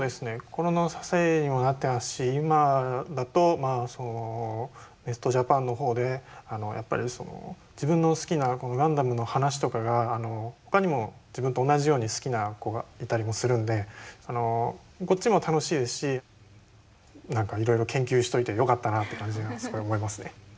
今だとネスト・ジャパンの方でやっぱり自分の好きな「ガンダム」の話とかがほかにも自分と同じように好きな子がいたりもするんでこっちも楽しいですし何かいろいろ研究しといてよかったなって感じがすごい思いますね。